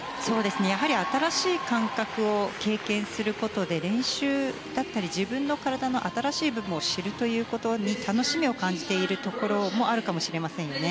やはり新しい感覚を経験することで、練習だったり自分の体の新しい部分を知るということに楽しみを感じているところもあるかもしれませんよね。